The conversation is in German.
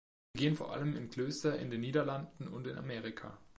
Sie gehen vor allem in Klöster in den Niederlanden und in Amerika.